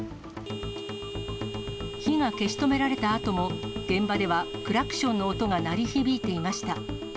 火が消し止められたあとも、現場ではクラクションの音が鳴り響いていました。